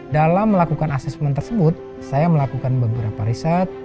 dalam melakukan asesmen tersebut saya melakukan beberapa riset